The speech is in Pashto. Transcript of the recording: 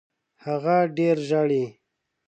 هغه ډېره ژاړي.